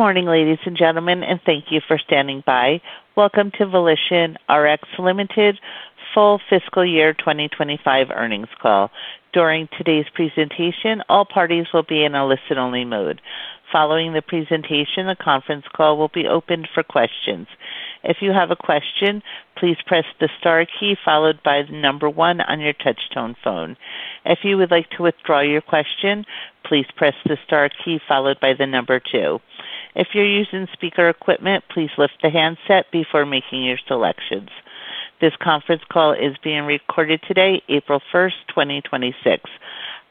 Good morning, ladies and gentlemen, and thank you for standing by. Welcome to VolitionRx Limited Full Fiscal Year 2025 Earnings Call. During today's presentation, all parties will be in a listen-only mode. Following the presentation, the conference call will be opened for questions. If you have a question, please press the star key followed by the number one on your touch-tone phone. If you would like to withdraw your question, please press the star key followed by the number two. If you're using speaker equipment, please lift the handset before making your selections. This conference call is being recorded today, April 1st, 2026.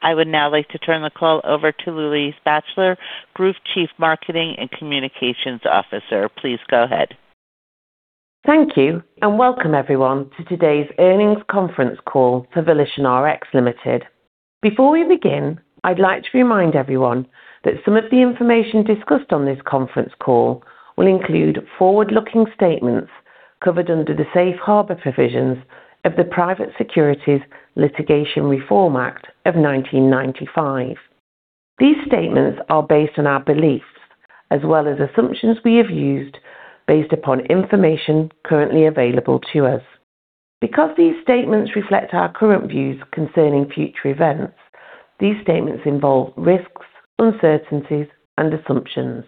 I would now like to turn the call over to Louise Batchelor, Group Chief Marketing and Communications Officer. Please go ahead. Thank you, and welcome everyone to today's earnings conference call for VolitionRx Limited. Before we begin, I'd like to remind everyone that some of the information discussed on this conference call will include forward-looking statements covered under the safe harbor provisions of the Private Securities Litigation Reform Act of 1995. These statements are based on our beliefs as well as assumptions we have used based upon information currently available to us. Because these statements reflect our current views concerning future events, these statements involve risks, uncertainties, and assumptions.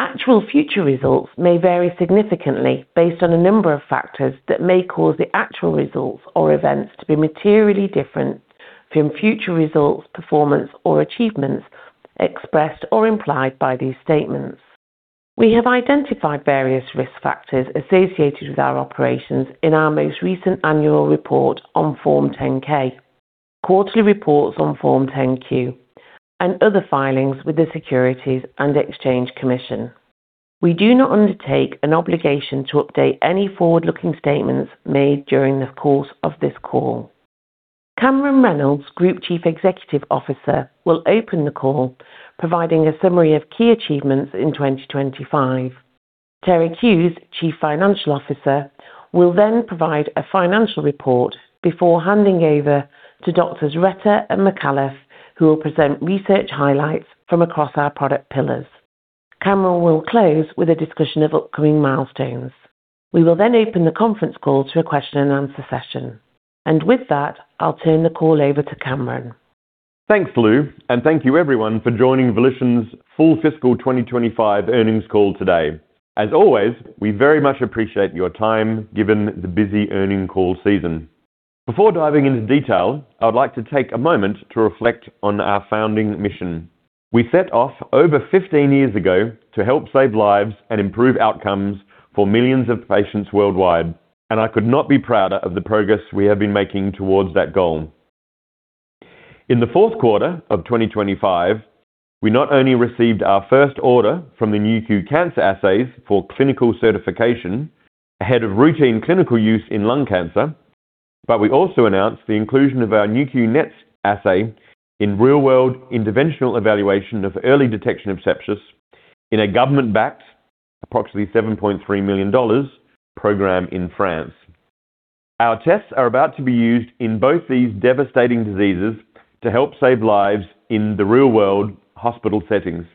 Actual future results may vary significantly based on a number of factors that may cause the actual results or events to be materially different from future results, performance, or achievements expressed or implied by these statements. We have identified various risk factors associated with our operations in our most recent annual report on Form 10-K, quarterly reports on Form 10-Q, and other filings with the Securities and Exchange Commission. We do not undertake an obligation to update any forward-looking statements made during the course of this call. Cameron Reynolds, Group Chief Executive Officer, will open the call, providing a summary of key achievements in 2025. Terig Hughes, Chief Financial Officer, will then provide a financial report before handing over to Doctors Retter and Micallef, who will present research highlights from across our product pillars. Cameron will close with a discussion of upcoming milestones. We will then open the conference call to a question-and-answer session. With that, I'll turn the call over to Cameron. Thanks, Lou, and thank you everyone for joining Volition's full fiscal 2025 earnings call today. As always, we very much appreciate your time, given the busy earnings call season. Before diving into detail, I would like to take a moment to reflect on our founding mission. We set off over 15 years ago to help save lives and improve outcomes for millions of patients worldwide, and I could not be prouder of the progress we have been making towards that goal. In the fourth quarter of 2025, we not only received our first order for the Nu.Q Cancer assays for clinical certification ahead of routine clinical use in lung cancer, but we also announced the inclusion of our Nu.Q NETs assay in real-world interventional evaluation of early detection of sepsis in a government-backed, approximately $7.3 million program in France. Our tests are about to be used in both these devastating diseases to help save lives in the real world hospital settings.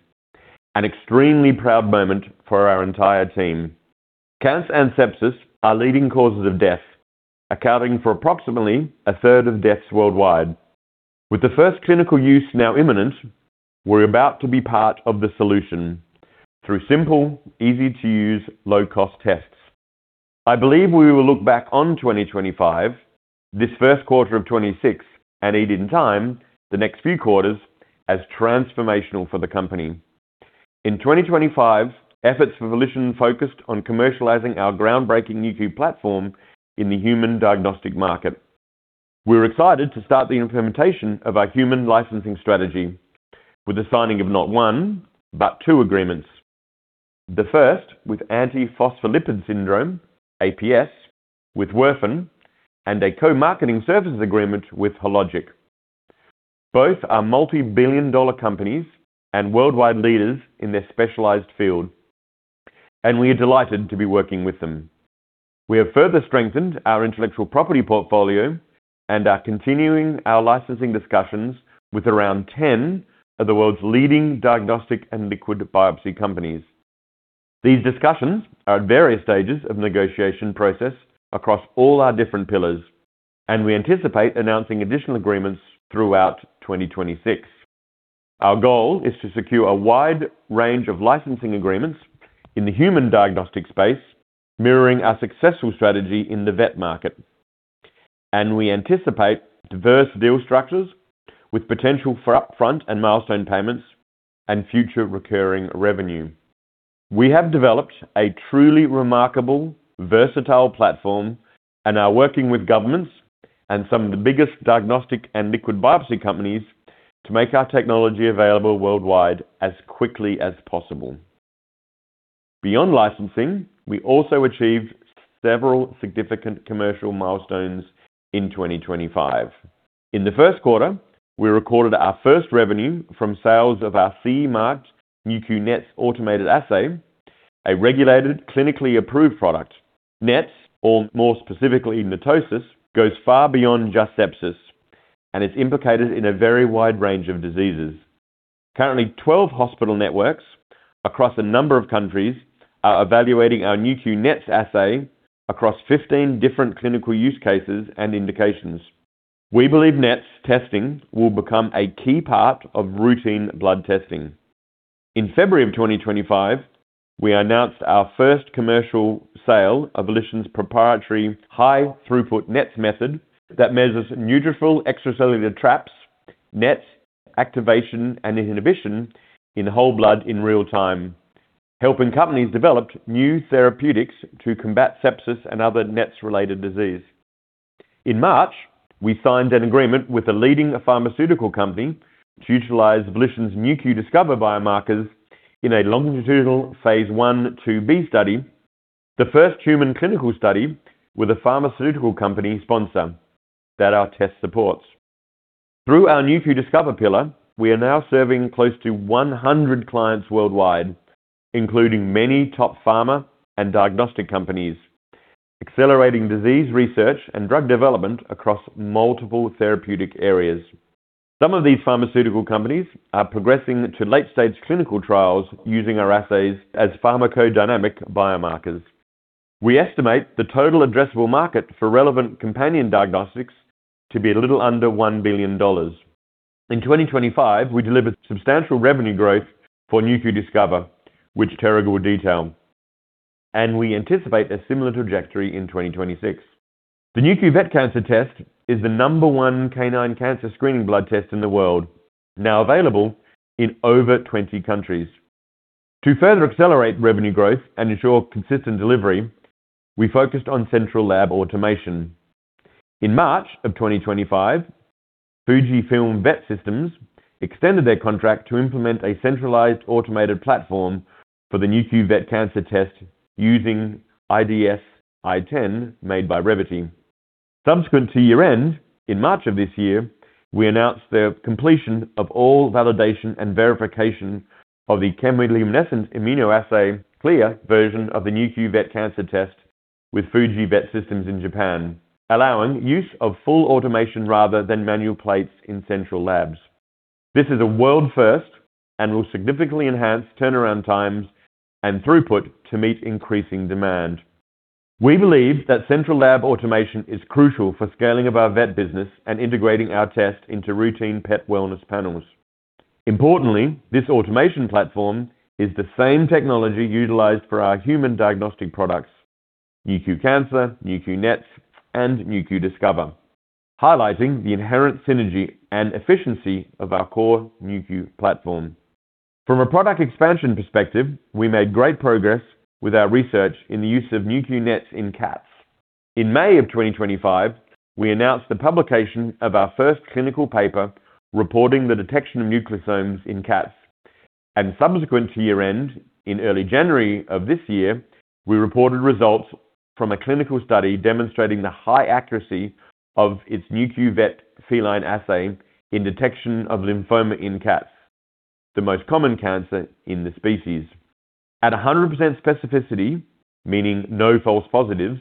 An extremely proud moment for our entire team. Cancer and sepsis are leading causes of death, accounting for approximately a third of deaths worldwide. With the first clinical use now imminent, we're about to be part of the solution through simple, easy-to-use, low-cost tests. I believe we will look back on 2025, this first quarter of 2026, and in time, the next few quarters, as transformational for the company. In 2025, efforts for Volition focused on commercializing our groundbreaking Nu.Q platform in the human diagnostic market. We're excited to start the implementation of our human licensing strategy with the signing of not one, but two agreements. The first with Antiphospholipid Syndrome, APS, with Werfen, and a co-marketing services agreement with Hologic. Both are multi-billion dollar companies and worldwide leaders in their specialized field, and we are delighted to be working with them. We have further strengthened our intellectual property portfolio and are continuing our licensing discussions with around 10 of the world's leading diagnostic and liquid biopsy companies. These discussions are at various stages of negotiation process across all our different pillars, and we anticipate announcing additional agreements throughout 2026. Our goal is to secure a wide range of licensing agreements in the human diagnostic space, mirroring our successful strategy in the vet market. We anticipate diverse deal structures with potential for upfront and milestone payments and future recurring revenue. We have developed a truly remarkable, versatile platform and are working with governments and some of the biggest diagnostic and liquid biopsy companies to make our technology available worldwide as quickly as possible. Beyond licensing, we also achieved several significant commercial milestones in 2025. In the first quarter, we recorded our first revenue from sales of our CE Mark Nu.Q NETs automated assay, a regulated, clinically approved product. NETs, or more specifically, NETosis, goes far beyond just sepsis. It's implicated in a very wide range of diseases. Currently, 12 hospital networks across a number of countries are evaluating our Nu.Q NETs assay across 15 different clinical use cases and indications. We believe NETs testing will become a key part of routine blood testing. In February 2025, we announced our first commercial sale of Volition's proprietary high throughput NETs method that measures neutrophil extracellular traps, NETs activation and inhibition in whole blood in real time, helping companies develop new therapeutics to combat sepsis and other NETs-related disease. In March, we signed an agreement with a leading pharmaceutical company to utilize Volition's Nu.Q Discover biomarkers in a longitudinal phase I/II-B study, the first human clinical study with a pharmaceutical company sponsor that our test supports. Through our Nu.Q Discover pillar, we are now serving close to 100 clients worldwide, including many top pharma and diagnostic companies, accelerating disease research and drug development across multiple therapeutic areas. Some of these pharmaceutical companies are progressing to late-stage clinical trials using our assays as pharmacodynamic biomarkers. We estimate the total addressable market for relevant companion diagnostics to be a little under $1 billion. In 2025, we delivered substantial revenue growth for Nu.Q Discover, which Terig will detail, and we anticipate a similar trajectory in 2026. The Nu.Q Vet Cancer Test is the number one canine cancer screening blood test in the world, now available in over 20 countries. To further accelerate revenue growth and ensure consistent delivery, we focused on central lab automation. In March 2025, Fujifilm Vet Systems extended their contract to implement a centralized automated platform for the Nu.Q Vet Cancer Test using IDS-i10 made by Revvity. Subsequent to year-end, in March of this year, we announced the completion of all validation and verification of the chemiluminescent immunoassay CLIA version of the Nu.Q Vet Cancer Test with Fujifilm Vet Systems in Japan, allowing use of full automation rather than manual plates in central labs. This is a world first and will significantly enhance turnaround times and throughput to meet increasing demand. We believe that central lab automation is crucial for scaling of our vet business and integrating our test into routine pet wellness panels. Importantly, this automation platform is the same technology utilized for our human diagnostic products, Nu.Q Cancer, Nu.Q NETs, and Nu.Q Discover, highlighting the inherent synergy and efficiency of our core Nu.Q platform. From a product expansion perspective, we made great progress with our research in the use of Nu.Q NETs in cats. In May of 2025, we announced the publication of our first clinical paper reporting the detection of nucleosomes in cats. Subsequent to year-end, in early January of this year, we reported results from a clinical study demonstrating the high accuracy of its Nu.Q Vet feline assay in detection of lymphoma in cats, the most common cancer in the species. At 100% specificity, meaning no false positives,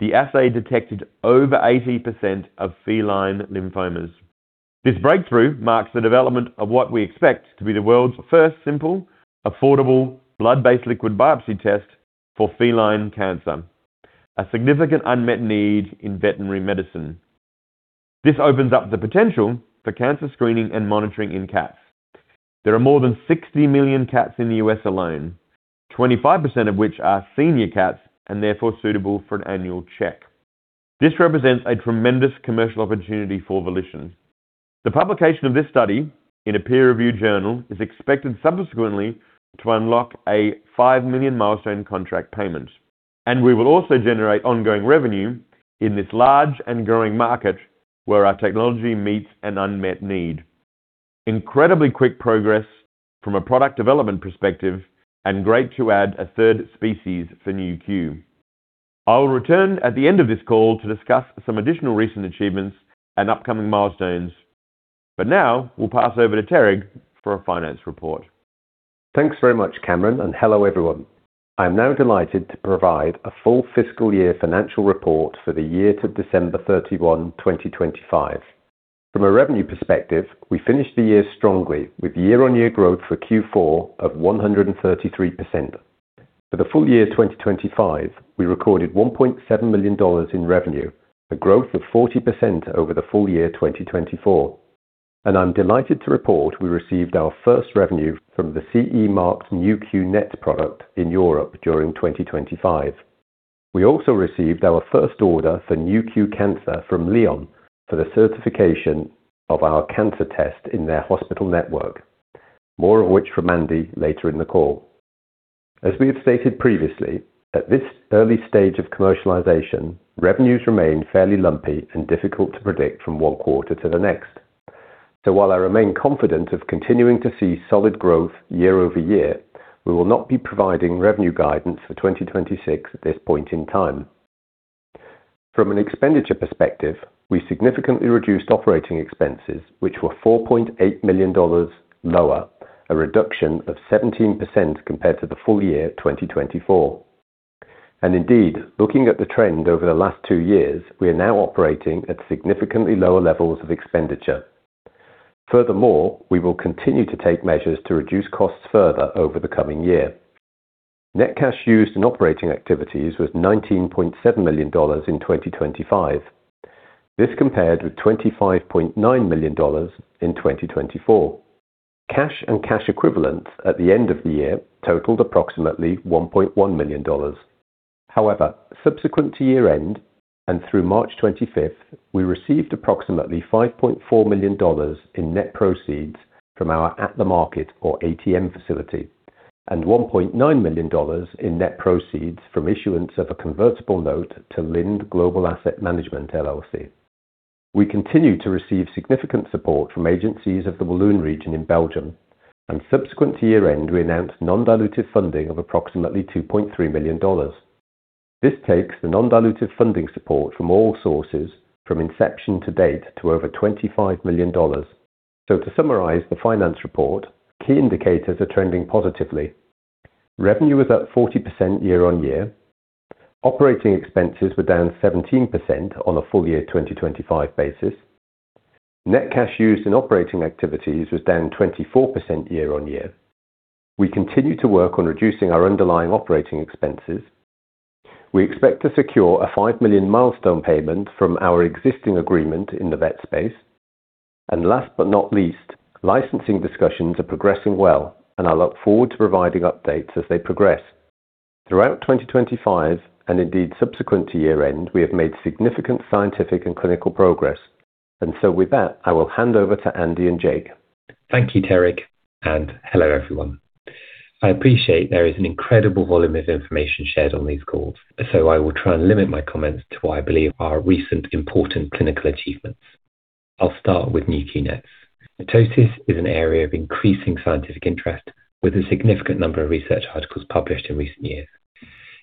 the assay detected over 80% of feline lymphomas. This breakthrough marks the development of what we expect to be the world's first simple, affordable, blood-based liquid biopsy test for feline cancer, a significant unmet need in veterinary medicine. This opens up the potential for cancer screening and monitoring in cats. There are more than 60 million cats in the U.S. alone, 25% of which are senior cats and therefore suitable for an annual check. This represents a tremendous commercial opportunity for Volition. The publication of this study in a peer-reviewed journal is expected subsequently to unlock a $5 million milestone contract payment. We will also generate ongoing revenue in this large and growing market where our technology meets an unmet need. Incredibly quick progress from a product development perspective and great to add a third species for Nu.Q. I will return at the end of this call to discuss some additional recent achievements and upcoming milestones. Now we'll pass over to Terig for a finance report. Thanks very much, Cameron, and hello, everyone. I'm now delighted to provide a full fiscal year financial report for the year to December 31, 2025. From a revenue perspective, we finished the year strongly with year-on-year growth for Q4 of 133%. For the full year 2025, we recorded $1.7 million in revenue, a growth of 40% over the full year 2024. I'm delighted to report we received our first revenue from the CE Mark Nu.Q NETs product in Europe during 2025. We also received our first order for Nu.Q Cancer from Lyon for the certification of our cancer test in their hospital network, more of which from Andy later in the call. As we have stated previously, at this early stage of commercialization, revenues remain fairly lumpy and difficult to predict from one quarter to the next. While I remain confident of continuing to see solid growth year-over-year, we will not be providing revenue guidance for 2026 at this point in time. From an expenditure perspective, we significantly reduced operating expenses, which were $4.8 million lower, a reduction of 17% compared to the full year 2024. Indeed, looking at the trend over the last two years, we are now operating at significantly lower levels of expenditure. Furthermore, we will continue to take measures to reduce costs further over the coming year. Net cash used in operating activities was $19.7 million in 2025. This compared with $25.9 million in 2024. Cash and cash equivalents at the end of the year totaled approximately $1.1 million. However, subsequent to year-end and through March 25th, we received approximately $5.4 million in net proceeds from our at-the-market, or ATM, facility, and $1.9 million in net proceeds from issuance of a convertible note to Lind Global Asset Management XII LLC. We continue to receive significant support from agencies of the Walloon region in Belgium, and subsequent to year-end, we announced non-dilutive funding of approximately $2.3 million. This takes the non-dilutive funding support from all sources from inception to date to over $25 million. To summarize the finance report, key indicators are trending positively. Revenue was up 40% year-on-year. Operating expenses were down 17% on a full-year 2025 basis. Net cash used in operating activities was down 24% year-on-year. We continue to work on reducing our underlying operating expenses. We expect to secure a $5 million milestone payment from our existing agreement in the vet space. Last but not least, licensing discussions are progressing well, and I look forward to providing updates as they progress. Throughout 2025, and indeed subsequent to year-end, we have made significant scientific and clinical progress. With that, I will hand over to Andy and Jake. Thank you, Terig, and hello everyone. I appreciate there is an incredible volume of information shared on these calls, so I will try and limit my comments to what I believe are recent important clinical achievements. I'll start with Nu.Q NETs. NETosis is an area of increasing scientific interest with a significant number of research articles published in recent years.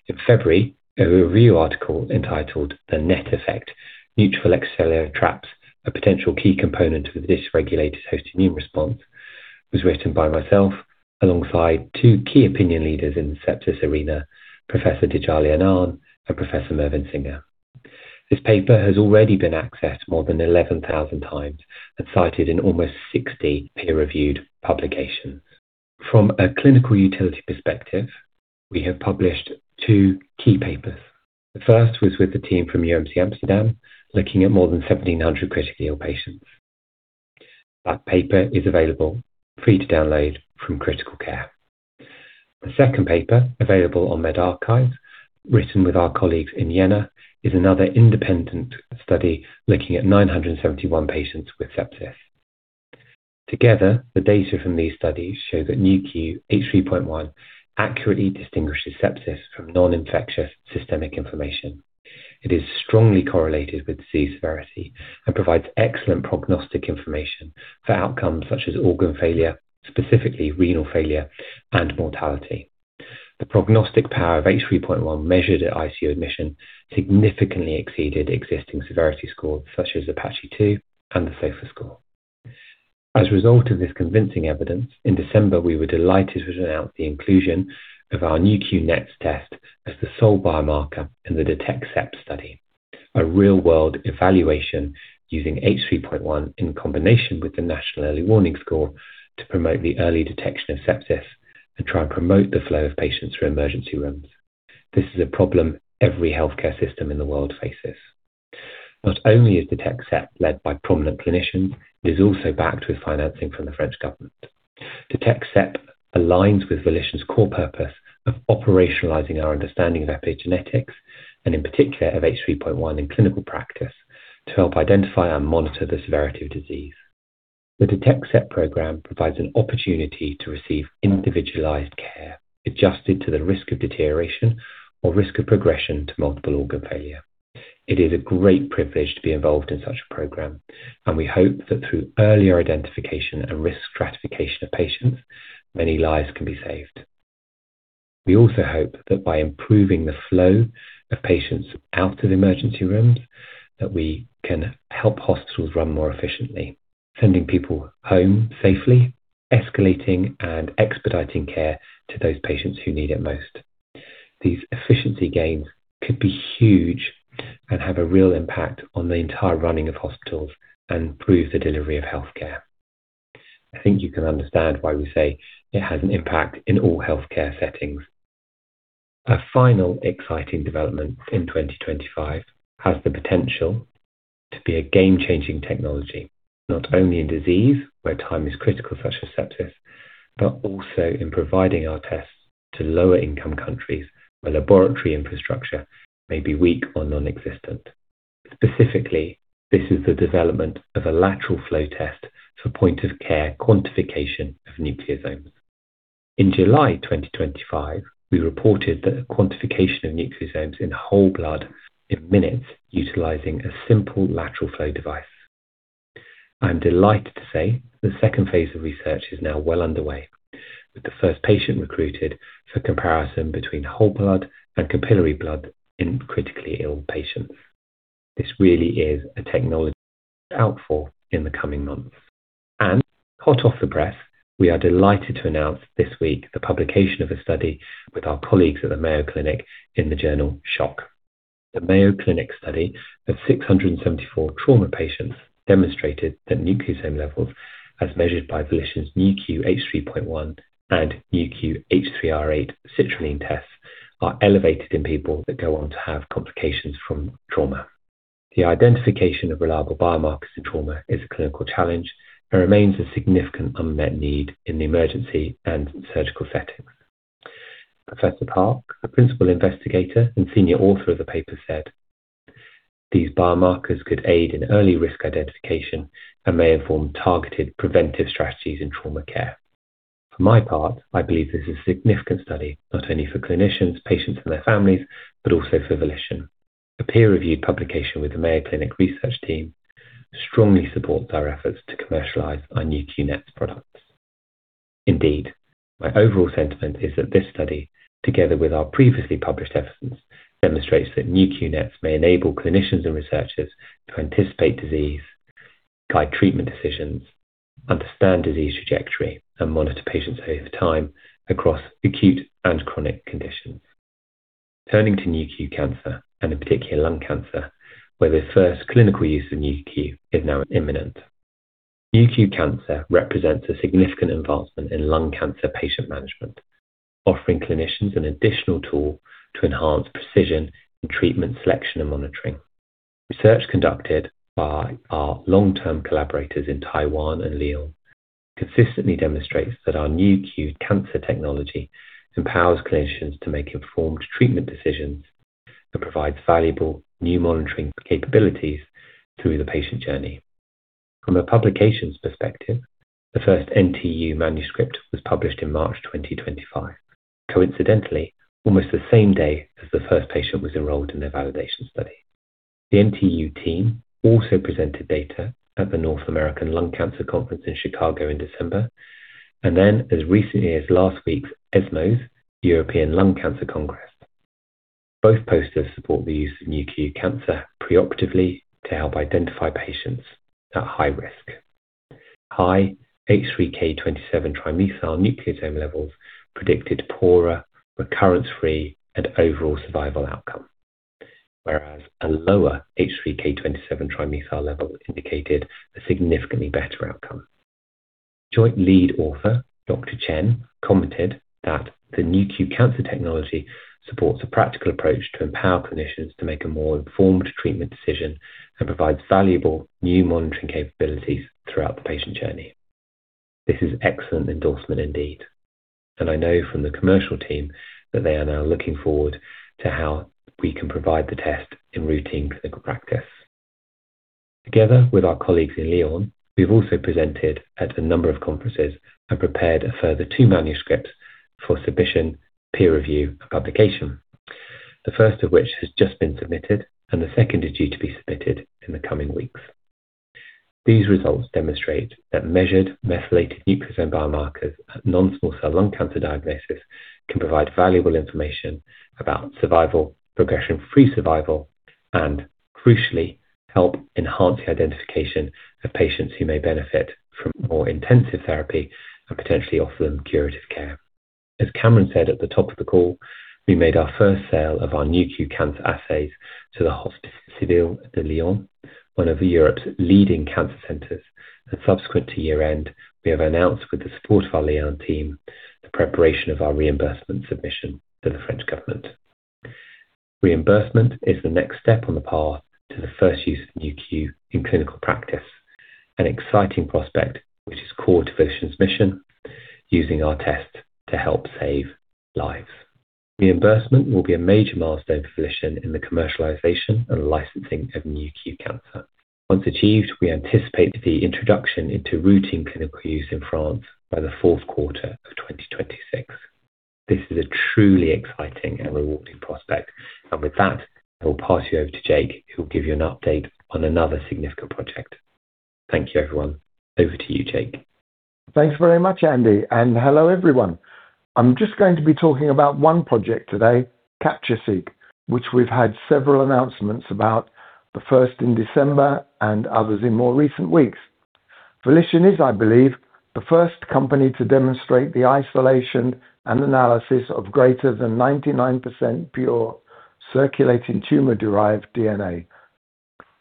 In February, a review article entitled The Net Effect: Neutrophil Extracellular Traps, A Potential Key Component of the Dysregulated Host Immune Response, was written by myself alongside two key opinion leaders in the sepsis arena, Professor Jean-Louis Teboul and Professor Mervyn Singer. This paper has already been accessed more than 11,000x and cited in almost 60 peer-reviewed publications. From a clinical utility perspective, we have published two key papers. The first was with the team from Amsterdam UMC, looking at more than 1,700 critically ill patients. That paper is available free to download from Critical Care. The second paper, available on medRxiv, written with our colleagues in Jena, is another independent study looking at 971 patients with sepsis. Together, the data from these studies show that Nu.Q H3.1 accurately distinguishes sepsis from non-infectious systemic inflammation. It is strongly correlated with disease severity and provides excellent prognostic information for outcomes such as organ failure, specifically renal failure, and mortality. The prognostic power of H3.1 measured at ICU admission significantly exceeded existing severity scores such as APACHE II and the SOFA score. As a result of this convincing evidence, in December, we were delighted to announce the inclusion of our Nu.Q NETs test as the sole biomarker in the DETECSEPS study, a real-world evaluation using H3.1 in combination with the National Early Warning Score to promote the early detection of sepsis and try and promote the flow of patients through emergency rooms. This is a problem every healthcare system in the world faces. Not only is DETECSEPS led by prominent clinicians, it is also backed with financing from the French government. DETECSEPS aligns with Volition's core purpose of operationalizing our understanding of epigenetics, and in particular of H3.1 in clinical practice, to help identify and monitor the severity of disease. The DETECSEPS program provides an opportunity to receive individualized care, adjusted to the risk of deterioration or risk of progression to multiple organ failure. It is a great privilege to be involved in such a program, and we hope that through earlier identification and risk stratification of patients, many lives can be saved. We also hope that by improving the flow of patients out of emergency rooms, that we can help hospitals run more efficiently, sending people home safely, escalating and expediting care to those patients who need it most. These efficiency gains could be huge and have a real impact on the entire running of hospitals and improve the delivery of healthcare. I think you can understand why we say it has an impact in all healthcare settings. A final exciting development in 2025 has the potential to be a game-changing technology, not only in disease where time is critical, such as sepsis, but also in providing our tests to lower-income countries where laboratory infrastructure may be weak or non-existent. Specifically, this is the development of a lateral flow test for point-of-care quantification of nucleosomes. In July 2025, we reported the quantification of nucleosomes in whole blood in minutes utilizing a simple lateral flow device. I'm delighted to say the second phase of research is now well underway, with the first patient recruited for comparison between whole blood and capillary blood in critically ill patients. This really is a technology to look out for in the coming months. Hot off the press, we are delighted to announce this week the publication of a study with our colleagues at the Mayo Clinic in the journal Shock. The Mayo Clinic study of 674 trauma patients demonstrated that nucleosome levels as measured by Volition's Nu.Q H3.1 and Nu.Q H3R8 Citrulline tests are elevated in people that go on to have complications from trauma. The identification of reliable biomarkers in trauma is a clinical challenge and remains a significant unmet need in the emergency and surgical settings. Professor Park, the principal investigator and senior author of the paper, said, "These biomarkers could aid in early risk identification and may inform targeted preventive strategies in trauma care." For my part, I believe this is a significant study not only for clinicians, patients, and their families, but also for Volition. A peer-reviewed publication with the Mayo Clinic research team strongly supports our efforts to commercialize our Nu.Q NETs products. Indeed, my overall sentiment is that this study, together with our previously published evidence, demonstrates that Nu.Q NETs may enable clinicians and researchers to anticipate disease, guide treatment decisions, understand disease trajectory, and monitor patients ahead of time across acute and chronic conditions. Turning to Nu.Q Cancer and in particular lung cancer, where the first clinical use of Nu.Q is now imminent, Nu.Q Cancer represents a significant advancement in lung cancer patient management, offering clinicians an additional tool to enhance precision in treatment, selection, and monitoring. Research conducted by our long-term collaborators in Taiwan and Lyon consistently demonstrates that our Nu.Q Cancer technology empowers clinicians to make informed treatment decisions and provides valuable new monitoring capabilities through the patient journey. From a publications perspective, the first NTU manuscript was published in March 2025, coincidentally almost the same day as the first patient was enrolled in their validation study. The NTU team also presented data at the North American Lung Cancer Conference in Chicago in December, and then as recently as last week's ESMO European Lung Cancer Congress. Both posters support the use of Nu.Q Cancer preoperatively to help identify patients at high risk. High H3K27me3 nucleosome levels predicted poorer recurrence-free and overall survival outcome. Whereas a lower H3K27me3 level indicated a significantly better outcome. Joint lead author Dr. Chen commented that, "The Nu.Q Cancer technology supports a practical approach to empower clinicians to make a more informed treatment decision and provides valuable new monitoring capabilities throughout the patient journey." This is excellent endorsement indeed, and I know from the commercial team that they are now looking forward to how we can provide the test in routine clinical practice. Together with our colleagues in Lyon, we've also presented at a number of conferences and prepared a further two manuscripts for submission, peer review, and publication. The first of which has just been submitted, and the second is due to be submitted in the coming weeks. These results demonstrate that measured methylated nucleosome biomarkers at non-small cell lung cancer diagnosis can provide valuable information about survival, progression-free survival, and crucially help enhance the identification of patients who may benefit from more intensive therapy and potentially offer them curative care. As Cameron said at the top of the call, we made our first sale of our Nu.Q Cancer assays to the Hospices Civils de Lyon, one of Europe's leading cancer centers, and subsequent to year-end, we have announced with the support of our Lyon team, the preparation of our reimbursement submission to the French government. Reimbursement is the next step on the path to the first use of Nu.Q in clinical practice, an exciting prospect which is core to Volition's mission using our test to help save lives. Reimbursement will be a major milestone for Volition in the commercialization and licensing of Nu.Q Cancer. Once achieved, we anticipate the introduction into routine clinical use in France by the fourth quarter of 2026. This is a truly exciting and rewarding prospect. With that, I will pass you over to Jake, who will give you an update on another significant project. Thank you, everyone. Over to you, Jake. Thanks very much, Andy. Hello, everyone. I'm just going to be talking about one project today, Capture-Seq, which we've had several announcements about, the first in December and others in more recent weeks. Volition is, I believe, the first company to demonstrate the isolation and analysis of greater than 99% pure circulating tumor-derived DNA.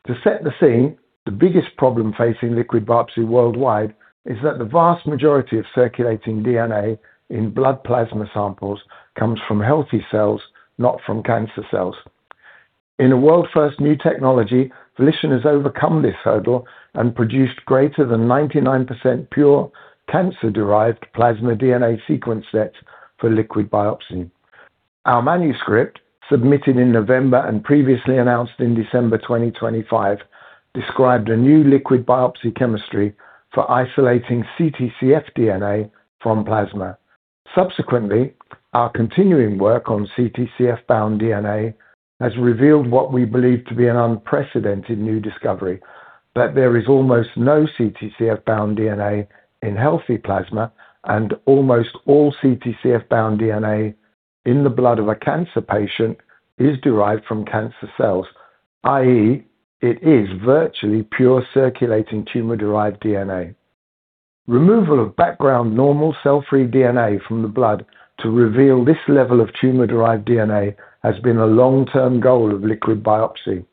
To set the scene, the biggest problem facing liquid biopsy worldwide is that the vast majority of circulating DNA in blood plasma samples comes from healthy cells, not from cancer cells. In a world-first new technology, Volition has overcome this hurdle and produced greater than 99% pure cancer-derived plasma DNA sequence sets for liquid biopsy. Our manuscript, submitted in November and previously announced in December 2025, described a new liquid biopsy chemistry for isolating ctDNA from plasma. Subsequently, our continuing work on CTCF-bound DNA has revealed what we believe to be an unprecedented new discovery, that there is almost no CTCF bound DNA in healthy plasma and almost all CTCF-bound DNA in the blood of a cancer patient is derived from cancer cells, i.e., it is virtually pure circulating tumor-derived DNA. Removal of background normal cell-free DNA from the blood to reveal this level of tumor-derived DNA has been a long-term goal of liquid biopsy.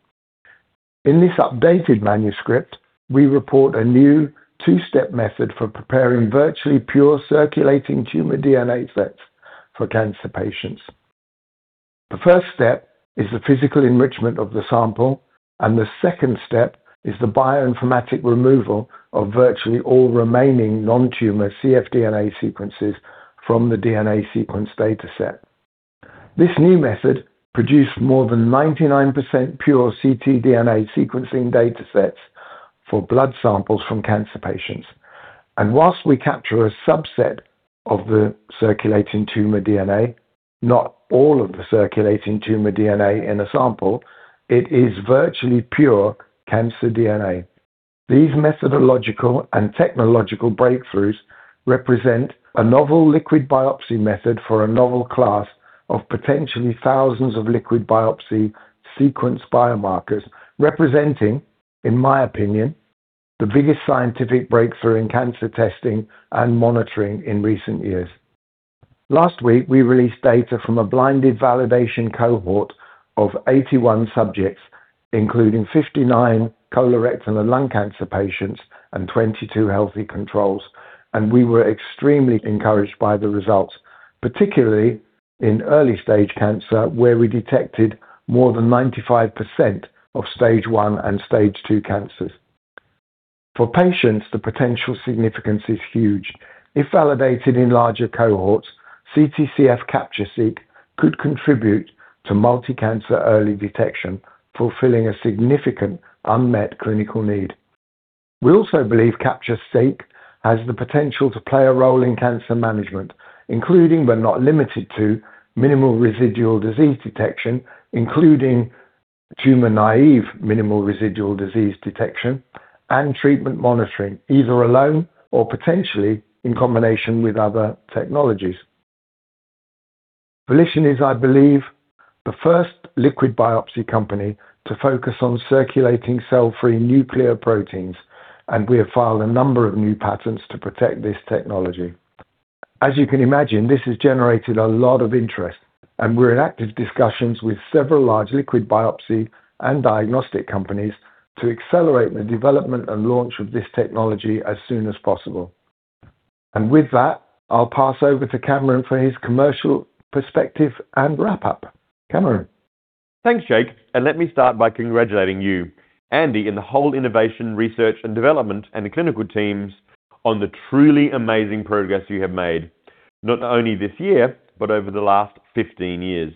In this updated manuscript, we report a new two-step method for preparing virtually pure circulating tumor DNA sets for cancer patients. The first step is the physical enrichment of the sample, and the second step is the bioinformatic removal of virtually all remaining non-tumor cfDNA sequences from the DNA sequence data set. This new method produced more than 99% pure ctDNA sequencing data sets for blood samples from cancer patients. While we capture a subset of the circulating tumor DNA, not all of the circulating tumor DNA in a sample, it is virtually pure cancer DNA. These methodological and technological breakthroughs represent a novel liquid biopsy method for a novel class of potentially thousands of liquid biopsy sequence biomarkers, representing, in my opinion, the biggest scientific breakthrough in cancer testing and monitoring in recent years. Last week, we released data from a blinded validation cohort of 81 subjects, including 59 colorectal and lung cancer patients and 22 healthy controls, and we were extremely encouraged by the results, particularly in early-stage cancer, where we detected more than 95% of Stage 1 and Stage 2 cancers. For patients, the potential significance is huge. If validated in larger cohorts, CTCF Capture-Seq could contribute to multi-cancer early detection, fulfilling a significant unmet clinical need. We also believe Capture-Seq has the potential to play a role in cancer management, including, but not limited to minimal residual disease detection, including tumor-naive minimal residual disease detection and treatment monitoring, either alone or potentially in combination with other technologies. Volition is, I believe, the first liquid biopsy company to focus on circulating cell-free nuclear proteins, and we have filed a number of new patents to protect this technology. As you can imagine, this has generated a lot of interest, and we're in active discussions with several large liquid biopsy and diagnostic companies to accelerate the development and launch of this technology as soon as possible. With that, I'll pass over to Cameron for his commercial perspective and wrap-up. Cameron. Thanks, Jake, and let me start by congratulating you, Andy, and the whole innovation, research and development, and the clinical teams on the truly amazing progress you have made, not only this year, but over the last 15 years.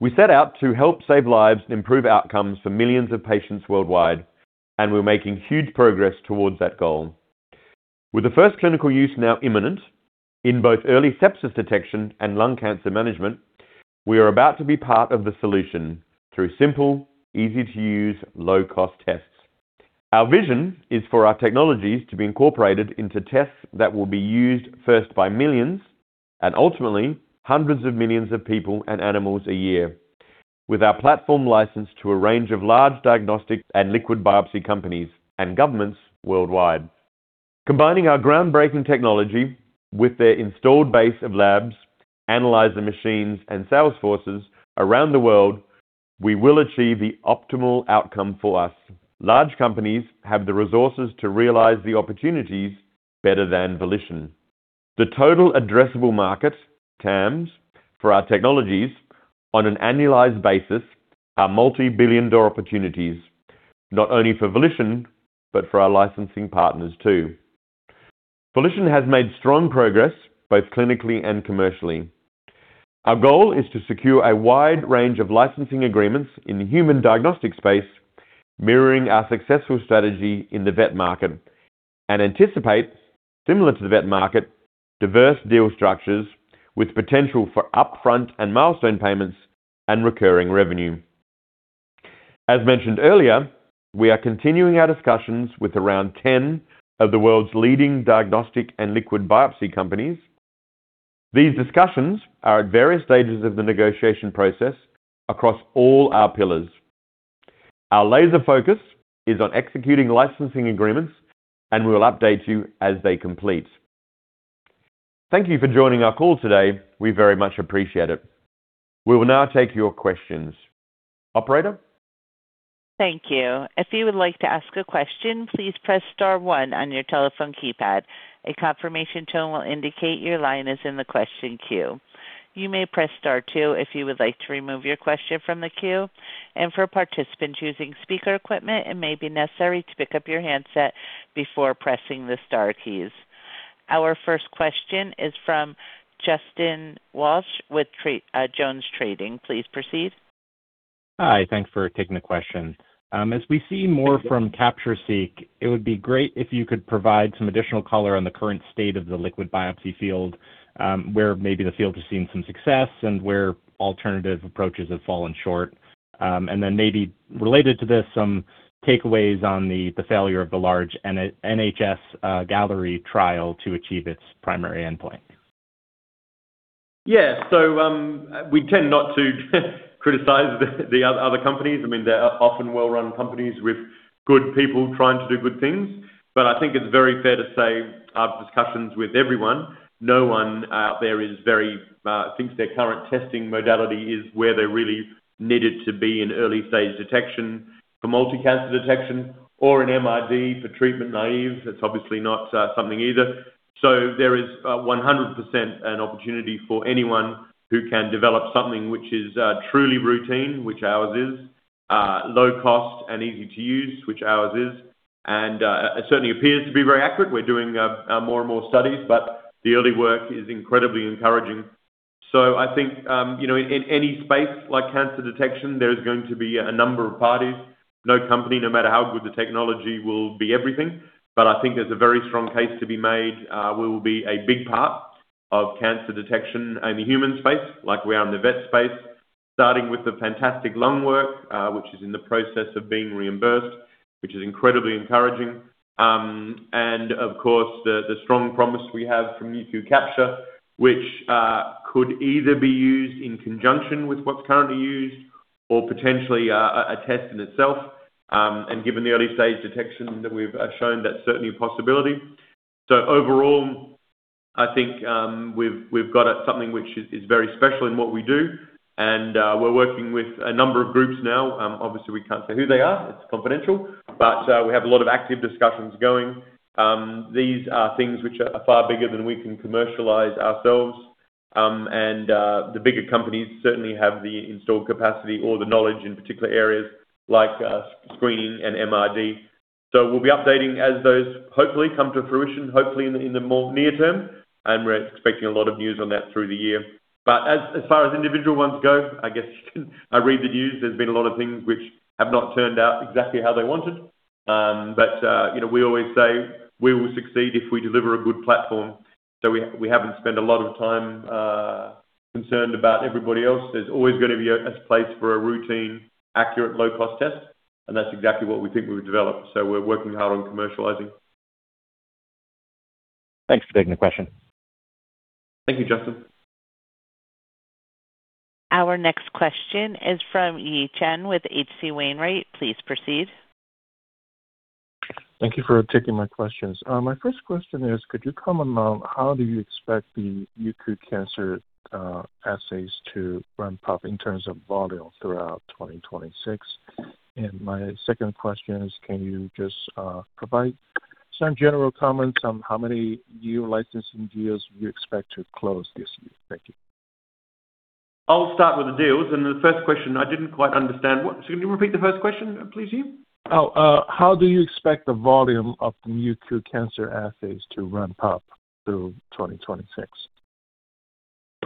We set out to help save lives and improve outcomes for millions of patients worldwide, and we're making huge progress towards that goal. With the first clinical use now imminent in both early sepsis detection and lung cancer management, we are about to be part of the solution through simple, easy-to-use, low-cost tests. Our vision is for our technologies to be incorporated into tests that will be used first by millions and ultimately hundreds of millions of people and animals a year. With our platform licensed to a range of large diagnostic and liquid biopsy companies and governments worldwide. Combining our groundbreaking technology with their installed base of labs, analyzer machines, and sales forces around the world, we will achieve the optimal outcome for us. Large companies have the resources to realize the opportunities better than Volition. The total addressable market, TAMs, for our technologies on an annualized basis are multi-billion-dollar opportunities, not only for Volition, but for our licensing partners too. Volition has made strong progress both clinically and commercially. Our goal is to secure a wide range of licensing agreements in the human diagnostic space, mirroring our successful strategy in the vet market, and anticipate, similar to the vet market, diverse deal structures with potential for upfront and milestone payments and recurring revenue. As mentioned earlier, we are continuing our discussions with around 10 of the world's leading diagnostic and liquid biopsy companies. These discussions are at various stages of the negotiation process across all our pillars. Our laser focus is on executing licensing agreements, and we will update you as they complete. Thank you for joining our call today. We very much appreciate it. We will now take your questions. Operator? Thank you. If you would like to ask a question, please press star one on your telephone keypad. A confirmation tone will indicate your line is in the question queue. You may press star two if you would like to remove your question from the queue. For participants using speaker equipment, it may be necessary to pick up your handset before pressing the star keys. Our first question is from Justin Walsh with JonesTrading. Please proceed. Hi. Thanks for taking the question. As we see more from Capture-Seq, it would be great if you could provide some additional color on the current state of the liquid biopsy field, where maybe the field has seen some success and where alternative approaches have fallen short. Maybe related to this, some takeaways on the failure of the large NHS-Galleri trial to achieve its primary endpoint. Yeah. We tend not to criticize the other companies. I mean, they're often well-run companies with good people trying to do good things. I think it's very fair to say our discussions with everyone, no one out there thinks their current testing modality is where they really need it to be in early-stage detection for multi-cancer detection or an MRD for treatment naive. That's obviously not something either. There is 100% an opportunity for anyone who can develop something which is truly routine, which ours is, low cost and easy to use, which ours is, and it certainly appears to be very accurate. We're doing more and more studies, but the early work is incredibly encouraging. I think, you know, in any space like cancer detection, there's going to be a number of parties. No company, no matter how good the technology will be everything. I think there's a very strong case to be made, we will be a big part of cancer detection in the human space like we are in the vet space, starting with the fantastic lung work, which is in the process of being reimbursed, which is incredibly encouraging. Of course, the strong promise we have from Nu.Q Capture, which could either be used in conjunction with what's currently used or potentially a test in itself. Given the early-stage detection that we've shown, that's certainly a possibility. Overall, I think, we've got something which is very special in what we do, and we're working with a number of groups now. Obviously we can't say who they are, it's confidential, but we have a lot of active discussions going. These are things which are far bigger than we can commercialize ourselves. The bigger companies certainly have the installed capacity or the knowledge in particular areas like screening and MRD. We'll be updating as those hopefully come to fruition, hopefully in the more near term, and we're expecting a lot of news on that through the year. As far as individual ones go, I guess you can read the news. There's been a lot of things which have not turned out exactly how they wanted. You know, we always say we will succeed if we deliver a good platform. We haven't spent a lot of time concerned about everybody else. There's always gonna be a place for a routine, accurate, low-cost test, and that's exactly what we think we've developed. We're working hard on commercializing. Thanks for taking the question. Thank you, Justin. Our next question is from Yi Chen with H.C. Wainwright. Please proceed. Thank you for taking my questions. My first question is, could you comment on how do you expect the Nu.Q Cancer assays to ramp up in terms of volume throughout 2026? And my second question is, can you just provide some general comments on how many new licensing deals you expect to close this year? Thank you. I'll start with the deals, and the first question I didn't quite understand. Can you repeat the first question, please, Yi? How do you expect the volume of Nu.Q Cancer assays to ramp up through 2026?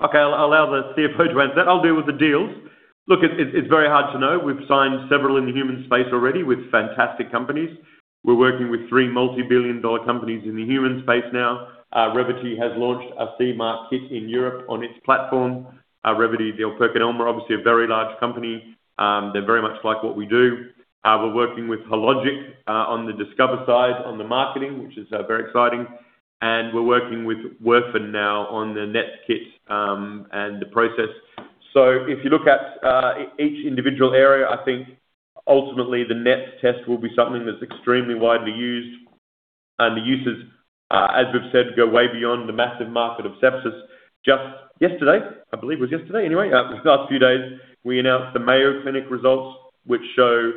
Okay. I'll allow the CFO to answer that. I'll deal with the deals. Look, it's very hard to know. We've signed several in the human space already with fantastic companies. We're working with three multi-billion-dollar companies in the human space now. Revvity has launched a CE Mark kit in Europe on its platform. Revvity, the PerkinElmer, obviously a very large company. They very much like what we do. We're working with Hologic on the Discover side on the marketing, which is very exciting. We're working with Werfen now on the NET kit and the process. If you look at each individual area, I think ultimately the NET test will be something that's extremely widely used. The uses, as we've said, go way beyond the massive market of sepsis. Just yesterday, I believe it was yesterday anyway, the past few days, we announced the Mayo Clinic results, which show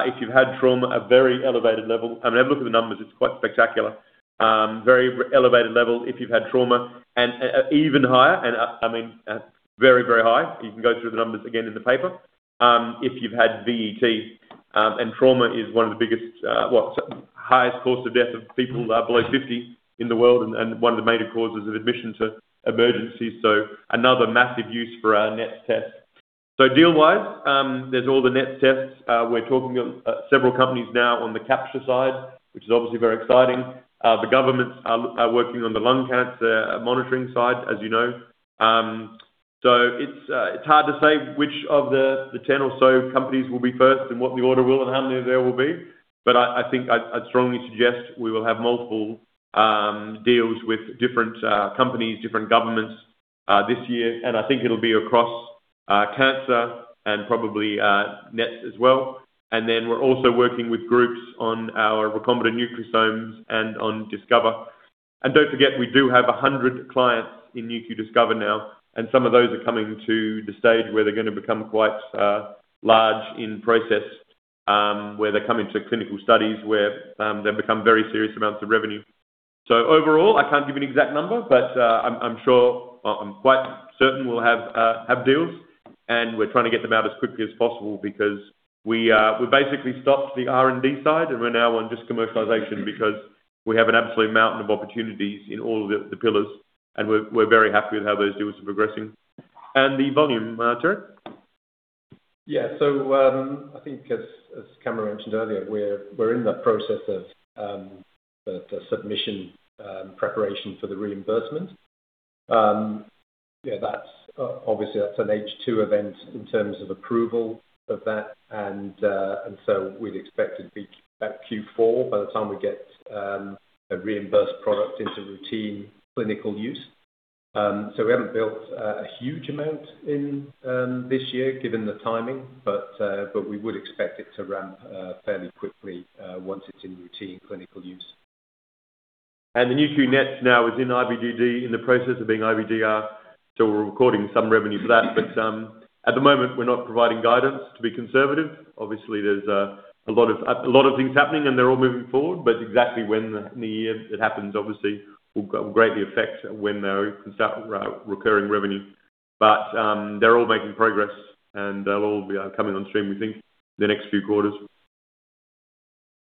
if you've had trauma, a very elevated level. I mean, have a look at the numbers, it's quite spectacular. Very elevated level if you've had trauma and even higher and I mean very, very high. You can go through the numbers again in the paper if you've had VTE. Trauma is one of the biggest, well, highest cause of death of people below 50 in the world and one of the major causes of admission to emergency. Another massive use for our NET test. Deal-wise, there's all the NET tests. We're talking to several companies now on the capture side, which is obviously very exciting. The governments are working on the lung cancer monitoring side, as you know. It's hard to say which of the 10 or so companies will be first and what the order will and how many there will be. I think I'd strongly suggest we will have multiple deals with different companies, different governments, this year. I think it'll be across cancer and probably NET as well. We're also working with groups on our recombinant nucleosomes and on Nu.Q Discover. Don't forget, we do have 100 clients in Nu.Q Discover now, and some of those are coming to the stage where they're gonna become quite large in process, where they come into clinical studies, where they become very serious amounts of revenue. Overall, I can't give you an exact number, but I'm sure I'm quite certain we'll have deals, and we're trying to get them out as quickly as possible because we basically stopped the R&D side, and we're now on just commercialization because we have an absolute mountain of opportunities in all the pillars, and we're very happy with how those deals are progressing. And the volume, Terig? Yeah. I think as Cameron mentioned earlier, we're in the process of the submission preparation for the reimbursement. Yeah, that's obviously an H2 event in terms of approval of that. We'd expect it to be about Q4 by the time we get a reimbursed product into routine clinical use. We haven't built a huge amount in this year given the timing, but we would expect it to ramp fairly quickly once it's in routine clinical use. The Nu.Q NETs is now in IVDD, in the process of being IVDR. We're recording some revenue for that, but at the moment, we're not providing guidance to be conservative. Obviously, there's a lot of things happening, and they're all moving forward, but exactly when in the year it happens, obviously will greatly affect when they'll contribute to recurring revenue. They're all making progress, and they'll all be coming on stream, we think, in the next few quarters.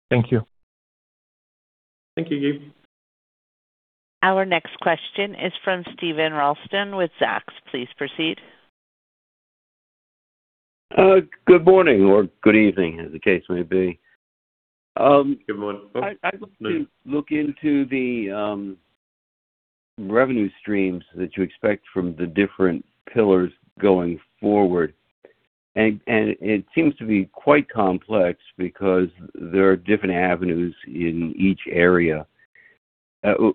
Thank you. Thank you, Yi. Our next question is from Steven Ralston with Zacks. Please proceed. Good morning or good evening, as the case may be. Good morning. I looked into the revenue streams that you expect from the different pillars going forward. It seems to be quite complex because there are different avenues in each area.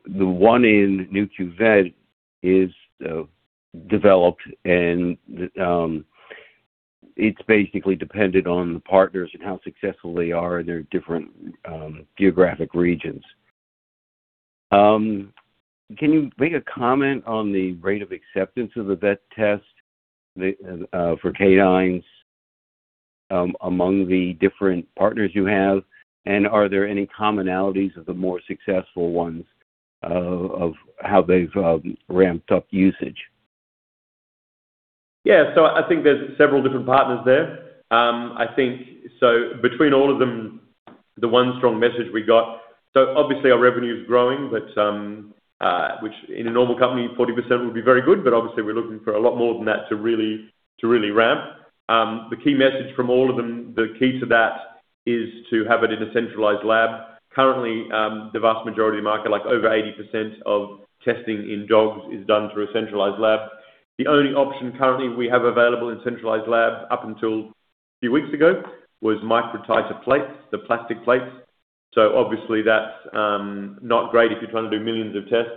The one in Nu.Q Vet is developed and it's basically dependent on the partners and how successful they are in their different geographic regions. Can you make a comment on the rate of acceptance of the vet test for canines among the different partners you have? Are there any commonalities of the more successful ones of how they've ramped up usage? Yeah. I think there's several different partners there. I think between all of them, the one strong message we got. Obviously, our revenue is growing, but which in a normal company, 40% would be very good, but obviously, we're looking for a lot more than that to really ramp. The key message from all of them, the key to that is to have it in a centralized lab. Currently, the vast majority of market, like over 80% of testing in dogs, is done through a centralized lab. The only option currently we have available in centralized labs up until a few weeks ago was microtiter plates, the plastic plates. Obviously that's not great if you're trying to do millions of tests.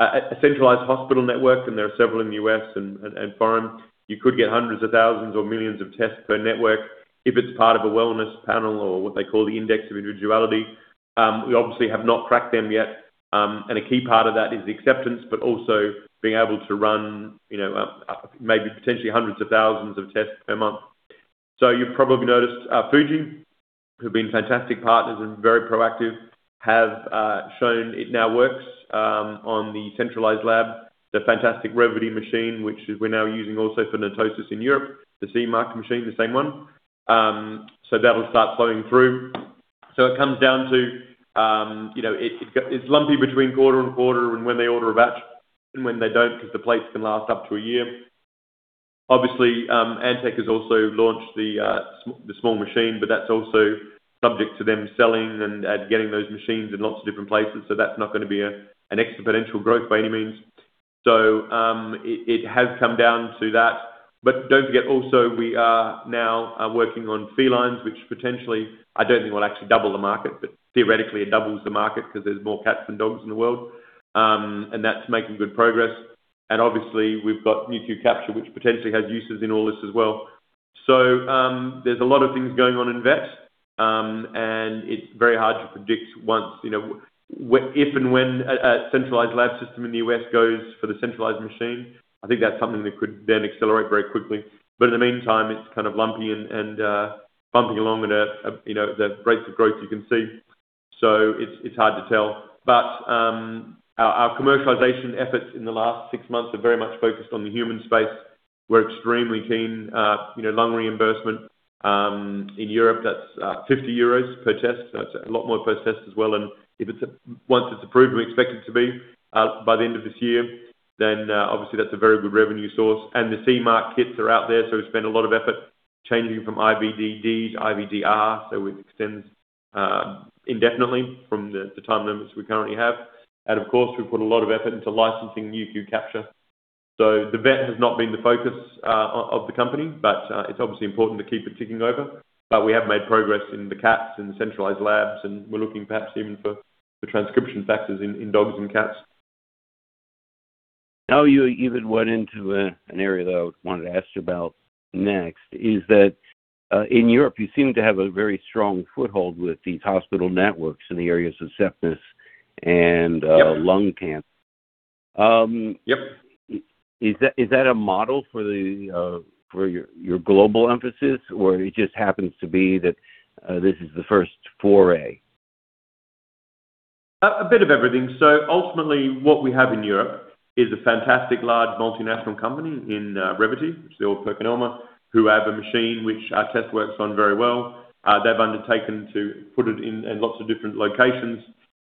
A centralized hospital network, and there are several in the U.S. and foreign. You could get hundreds of thousands or millions of tests per network if it's part of a wellness panel or what they call the index of individuality. We obviously have not cracked them yet. A key part of that is the acceptance, but also being able to run, you know, maybe potentially hundreds of thousands of tests per month. You've probably noticed, Fujifilm, who've been fantastic partners and very proactive, have shown it now works on the centralized lab. The fantastic Revvity machine, which we're now using also for NETosis in Europe, the CE Mark machine, the same one. That'll start flowing through. It comes down to, you know, it's lumpy between quarter and quarter and when they order a batch and when they don't 'cause the plates can last up to a year. Obviously, Antech has also launched the small machine, but that's also subject to them selling and getting those machines in lots of different places. That's not gonna be an exponential growth by any means. It has come down to that. But don't forget also we are now working on felines, which potentially, I don't think will actually double the market, but theoretically it doubles the market 'cause there's more cats than dogs in the world. That's making good progress. Obviously, we've got Nu.Q Capture, which potentially has uses in all this as well. There's a lot of things going on in vet, and it's very hard to predict once, you know, if and when a centralized lab system in the U.S. goes for the centralized machine. I think that's something that could then accelerate very quickly. In the meantime, it's kind of lumpy and bumping along at a, you know, the rates of growth you can see. It's hard to tell. Our commercialization efforts in the last six months are very much focused on the human space. We're extremely keen, you know, lung reimbursement. In Europe, that's 50 euros per test, so it's a lot more per test as well. And if it's a... Once it's approved, and we expect it to be by the end of this year, then obviously that's a very good revenue source. The CE Mark kits are out there, so we spend a lot of effort changing from IVDD to IVDR, so it extends indefinitely from the time limits we currently have. Of course, we've put a lot of effort into licensing Nu.Q Capture. The vet has not been the focus of the company, but it's obviously important to keep it ticking over. We have made progress in the cats and centralized labs, and we're looking perhaps even for transcription factors in dogs and cats. Now, you even went into an area that I wanted to ask you about next, is that, in Europe, you seem to have a very strong foothold with these hospital networks in the areas of sepsis and- Yep.... lung cancer. Yep. Is that a model for your global emphasis, or it just happens to be that this is the first foray? It's a bit of everything. Ultimately, what we have in Europe is a fantastic large multinational company in Revvity, which is the old PerkinElmer, who have a machine which our test works on very well. They've undertaken to put it in lots of different locations.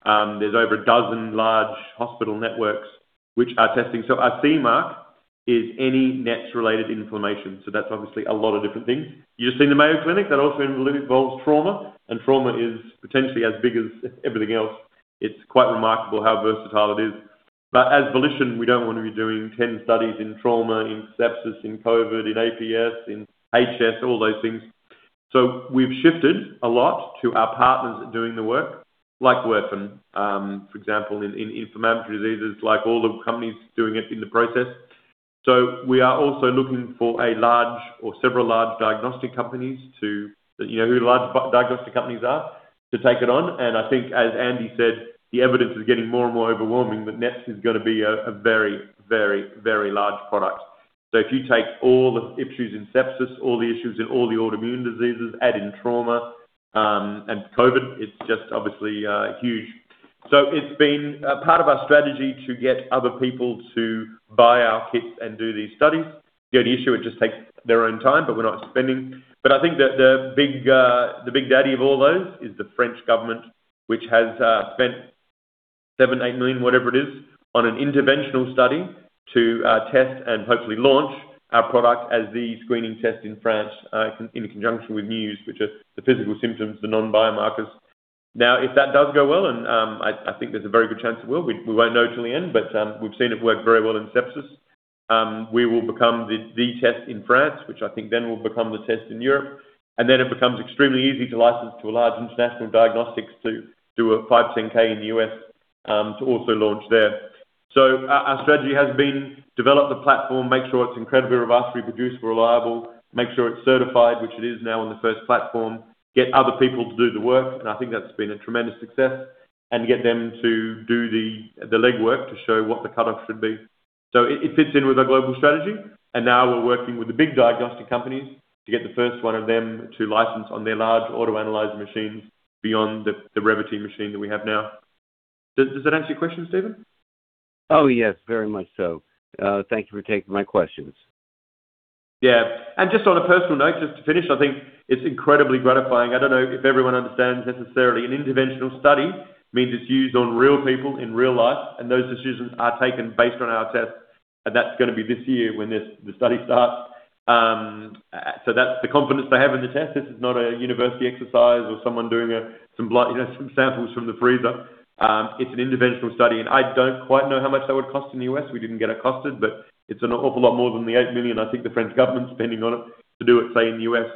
There's over a dozen large hospital networks which are testing. Our CE Mark is any NETs-related inflammation, so that's obviously a lot of different things. You've just seen the Mayo Clinic, that also involves trauma, and trauma is potentially as big as everything else. It's quite remarkable how versatile it is. As Volition, we don't wanna be doing 10 studies in trauma, in sepsis, in COVID, in APS, in HLH, all those things. We've shifted a lot to our partners doing the work, like Werfen, for example, in inflammatory diseases, like all the companies doing it in the process. We are also looking for a large or several large diagnostic companies to, you know who large diagnostic companies are, to take it on. I think, as Andy said, the evidence is getting more and more overwhelming that NETs is gonna be a very large product. If you take all the issues in sepsis, all the issues in all the autoimmune diseases, add in trauma, and COVID, it's just obviously huge. It's been part of our strategy to get other people to buy our kits and do these studies. The only issue, it just takes their own time, but we're not spending. I think the big daddy of all those is the French government, which has spent $7 million-$8 million, whatever it is, on an interventional study to test and hopefully launch our product as the screening test in France in conjunction with NEWS, which are the physical symptoms, the non-biomarkers. Now, if that does go well, I think there's a very good chance it will. We won't know till the end, but we've seen it work very well in sepsis. We will become the test in France, which I think then will become the test in Europe, and then it becomes extremely easy to license to a large international diagnostics to do a 510(k) in the U.S., to also launch there. Our strategy has been develop the platform, make sure it's incredibly robust, reproducible, reliable, make sure it's certified, which it is now on the first platform, get other people to do the work, and I think that's been a tremendous success, and get them to do the legwork to show what the cutoff should be. It fits in with our global strategy, and now we're working with the big diagnostic companies to get the first one of them to license on their large auto analyzer machines beyond the Revvity machine that we have now. Does that answer your question, Steven? Oh, yes, very much so. Thank you for taking my questions. Yeah. Just on a personal note, just to finish, I think it's incredibly gratifying. I don't know if everyone understands necessarily. An interventional study means it's used on real people in real life, and those decisions are taken based on our test, and that's gonna be this year when the study starts. That's the confidence they have in the test. This is not a university exercise or someone doing some blood, you know, some samples from the freezer. It's an interventional study, and I don't quite know how much that would cost in the U.S. We didn't get it costed, but it's an awful lot more than the 8 million I think the French government's spending on it to do it, say, in the U.S.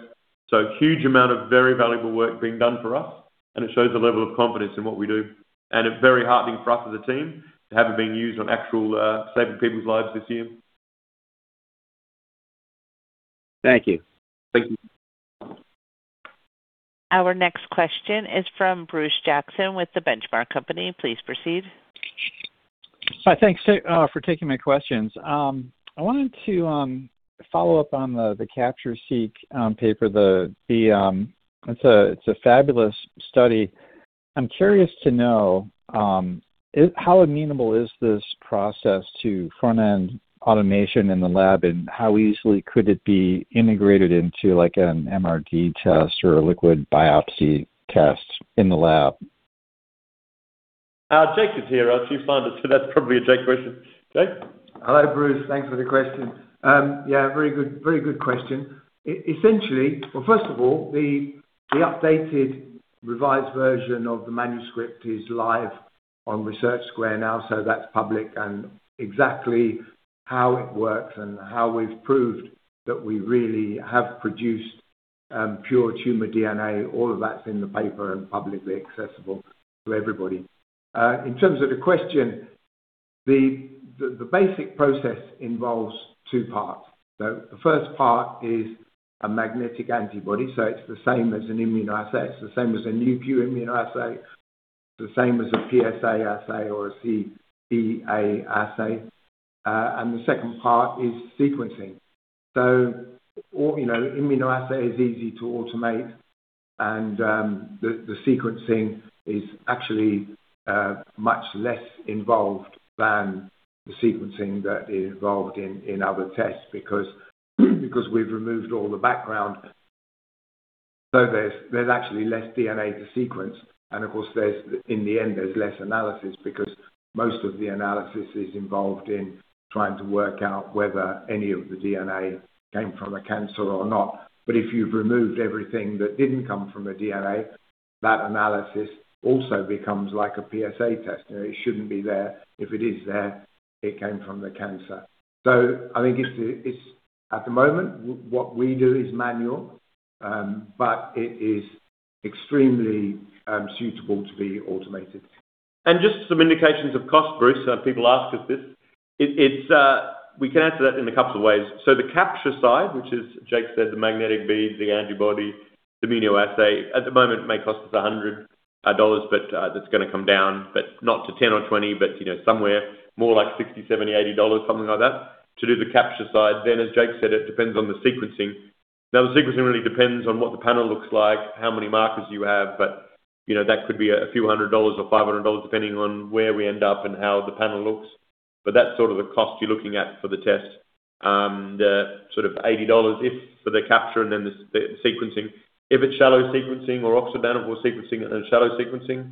Huge amount of very valuable work being done for us, and it shows a level of confidence in what we do. It's very heartening for us as a team to have it being used on actually saving people's lives this year. Thank you. Thank you. Our next question is from Bruce Jackson with The Benchmark Company. Please proceed. Hi. Thanks for taking my questions. I wanted to follow up on the Capture-Seq paper. It's a fabulous study. I'm curious to know how amenable is this process to front-end automation in the lab, and how easily could it be integrated into, like, an MRD test or a liquid biopsy test in the lab? Jake is here, our Chief Scientist, so that's probably a Jake question. Jake. Hello, Bruce. Thanks for the question. Yeah, very good question. Essentially, well, first of all, the updated revised version of the manuscript is live on Research Square now, so that's public, and exactly how it works and how we've proved that we really have produced pure tumor DNA, all of that's in the paper and publicly accessible to everybody. In terms of the question, the basic process involves two parts. The first part is a magnetic antibody, so it's the same as an immunoassay. It's the same as a Nu.Q immunoassay. The same as a PSA assay or a CEA assay. And the second part is sequencing. All, you know, immunoassay is easy to automate, and the sequencing is actually much less involved than the sequencing that is involved in other tests because we've removed all the background. There's actually less DNA to sequence, and of course, there's less analysis in the end because most of the analysis is involved in trying to work out whether any of the DNA came from a cancer or not. But if you've removed everything that didn't come from a DNA, that analysis also becomes like a PSA test. You know, it shouldn't be there. If it is there, it came from the cancer. I think it's at the moment what we do is manual, but it is extremely suitable to be automated. Just some indications of cost, Bruce. People ask us this. It's. We can answer that in a couple of ways. The capture side, which is, Jake said, the magnetic beads, the antibody, the immunoassay, at the moment may cost us $100, but that's gonna come down, but not to $10 or $20, but you know, somewhere more like $60, $70, $80, something like that, to do the capture side. As Jake said, it depends on the sequencing. The sequencing really depends on what the panel looks like, how many markers you have, but you know, that could be a few hundred dollars or $500, depending on where we end up and how the panel looks. That's sort of the cost you're looking at for the test. The sort of $80 is for the capture and then the sequencing. If it's shallow sequencing or oxidizable sequencing and shallow sequencing,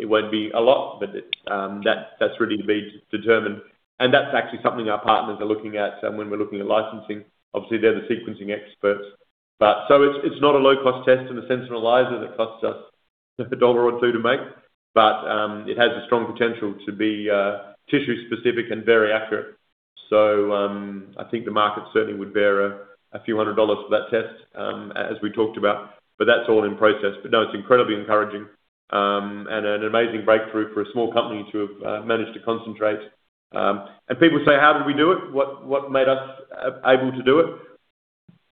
it won't be a lot, but it. That's really to be determined. That's actually something our partners are looking at when we're looking at licensing. Obviously, they're the sequencing experts. It's not a low cost test in the sense of ELISA that costs us $1 or $2 to make, but it has a strong potential to be tissue specific and very accurate. I think the market certainly would bear a few hundred dollars for that test, as we talked about, but that's all in process. No, it's incredibly encouraging and an amazing breakthrough for a small company to have managed to concentrate. People say, "How did we do it? What made us able to do it?"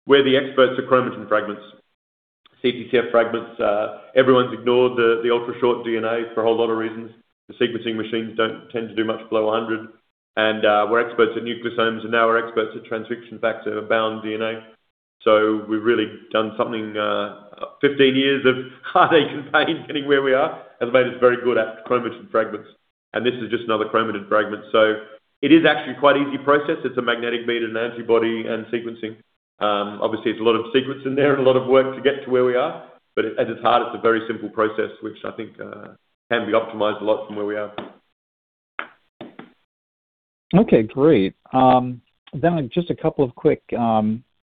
We're the experts of chromatin fragments, CTCF fragments. Everyone's ignored the ultrashort DNA for a whole lot of reasons. The sequencing machines don't tend to do much below 100. We're experts at nucleosomes, and now we're experts at transcription factor-bound DNA. We've really done something, 15 years of heartache and pain getting where we are. Has made us very good at chromatin fragments, and this is just another chromatin fragment. It is actually quite easy process. It's a magnetic bead, an antibody, and sequencing. Obviously, it's a lot of sequence in there and a lot of work to get to where we are, but at its heart, it's a very simple process which I think can be optimized a lot from where we are. Okay, great. Just a couple of quick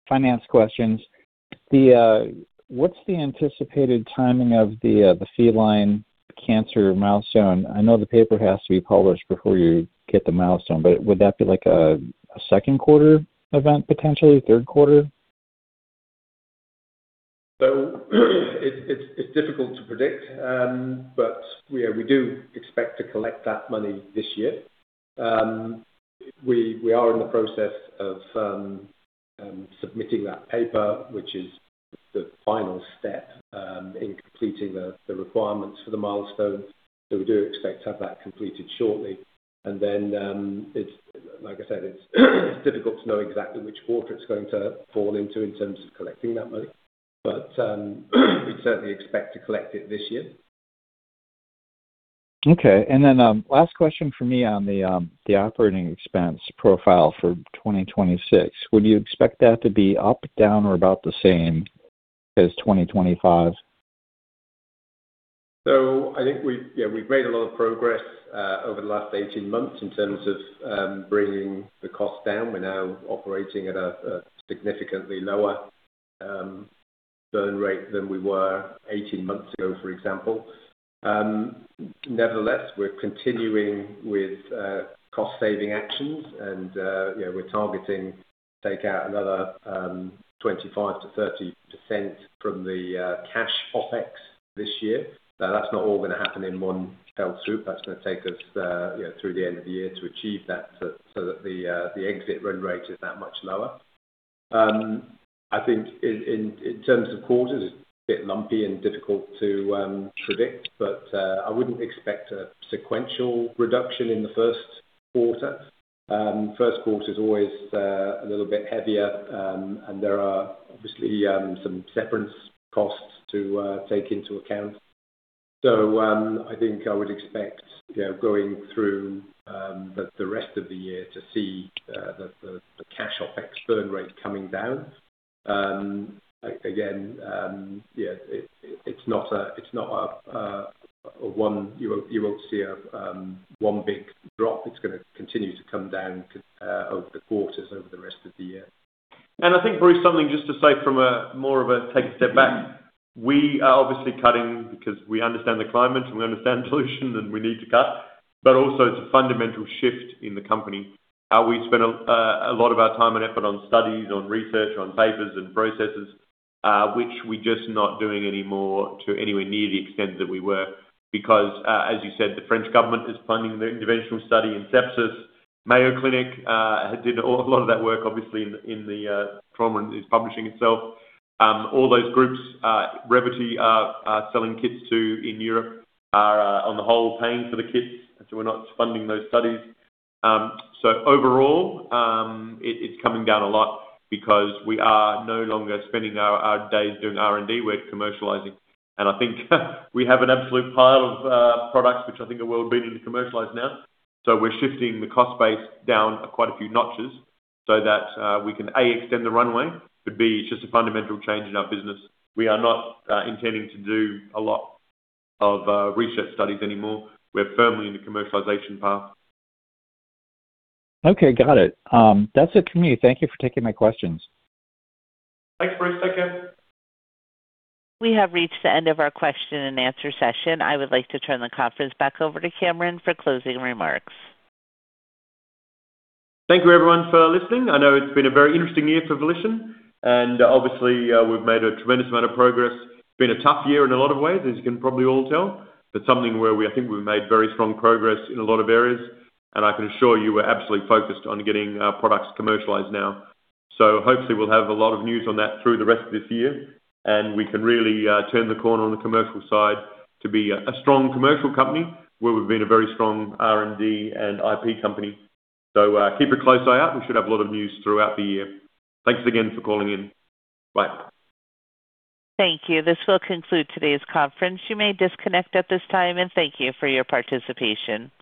finance questions. What's the anticipated timing of the feline cancer milestone? I know the paper has to be published before you get the milestone, but would that be like a second quarter event, potentially third quarter? It's difficult to predict, but we do expect to collect that money this year. We are in the process of submitting that paper, which is the final step in completing the requirements for the milestone. We do expect to have that completed shortly. Like I said, it's difficult to know exactly which quarter it's going to fall into in terms of collecting that money, but we certainly expect to collect it this year. Okay. Last question for me on the operating expense profile for 2026. Would you expect that to be up, down, or about the same as 2025? I think we've made a lot of progress over the last 18 months in terms of bringing the cost down. We're now operating at a significantly lower burn rate than we were 18 months ago, for example. Nevertheless, we're continuing with cost saving actions and, you know, we're targeting to take out another 25%-30% from the cash OpEx this year. Now, that's not all gonna happen in one fell swoop. That's gonna take us, you know, through the end of the year to achieve that so that the exit run rate is that much lower. I think in terms of quarters, it's a bit lumpy and difficult to predict, but I wouldn't expect a sequential reduction in the first quarter. First quarter is always a little bit heavier, and there are obviously some severance costs to take into account. I think I would expect, you know, going through the rest of the year to see the cash OpEx burn rate coming down. Again, yeah, it's not a one big drop. You won't see a one big drop. It's gonna continue to come down over the quarters over the rest of the year. I think, Bruce, something just to say from a more of a take a step back. We are obviously cutting because we understand the climate and we understand Volition, and we need to cut. Also it's a fundamental shift in the company, how we've spent a lot of our time and effort on studies, on research, on papers and processes, which we're just not doing anymore to anywhere near the extent that we were. Because as you said, the French government is funding the interventional study in sepsis. Mayo Clinic did a lot of that work, obviously, in the trauma and is publishing itself. All those groups, Revvity are selling kits to in Europe are on the whole paying for the kits. We're not funding those studies. Overall, it's coming down a lot because we are no longer spending our days doing R&D. We're commercializing. I think we have an absolute pile of products which I think the world will be able to commercialize now. We're shifting the cost base down quite a few notches so that we can, A, extend the runway, but B, it's just a fundamental change in our business. We are not intending to do a lot of research studies anymore. We're firmly in the commercialization path. Okay, got it. That's it for me. Thank you for taking my questions. Thanks, Bruce. Take care. We have reached the end of our question-and-answer session. I would like to turn the conference back over to Cameron for closing remarks. Thank you everyone for listening. I know it's been a very interesting year for Volition, and obviously we've made a tremendous amount of progress. It's been a tough year in a lot of ways, as you can probably all tell, but I think we've made very strong progress in a lot of areas, and I can assure you we're absolutely focused on getting our products commercialized now. Hopefully we'll have a lot of news on that through the rest of this year, and we can really turn the corner on the commercial side to be a strong commercial company where we've been a very strong R&D and IP company. Keep a close eye out. We should have a lot of news throughout the year. Thanks again for calling in. Bye. Thank you. This will conclude today's conference. You may disconnect at this time, and thank you for your participation.